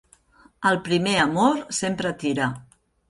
El primer amor sempre tira.